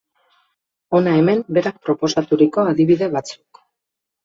Hona hemen berak proposaturiko adibide batzuk.